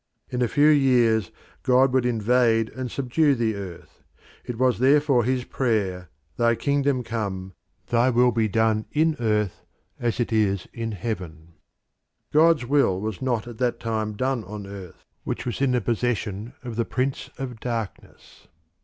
In a few years God would invade and subdue the earth. It was therefore his prayer, "Thy kingdom come; thy will be done in earth as it is in heaven." God's will was not at that time done on earth, which was in the possession of the Prince of Darkness.